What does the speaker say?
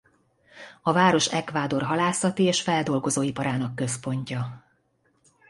A város Ecuador halászati és feldolgozóiparának központja.